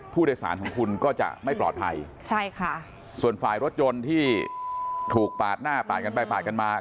ผู้โดยสารของคุณก็จะไม่ปลอดภัยใช่ค่ะส่วนฝ่ายรถยนต์ที่ถูกปาดหน้าปาดกันไปปาดกันมา